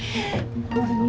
kita bisa bicara sebentar